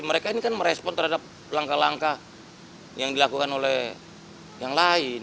mereka ini kan merespon terhadap langkah langkah yang dilakukan oleh yang lain